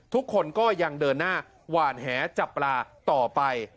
ทุกคนก็ยังเดินหน้าหวานแหจับปลาต่อไป